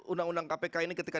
undang undang kpk ini ketika